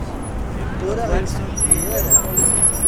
Ur aɣ-itthenni ara.